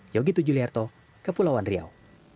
yogi tujuliarto kepulauan riau